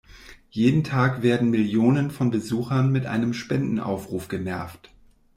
Jeden Tag werden Millionen von Besuchern mit einem Spendenaufruf genervt.